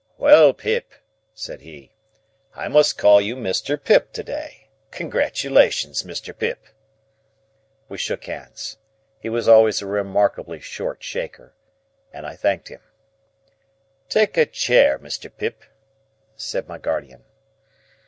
"Well, Pip," said he, "I must call you Mr. Pip to day. Congratulations, Mr. Pip." We shook hands,—he was always a remarkably short shaker,—and I thanked him. "Take a chair, Mr. Pip," said my guardian.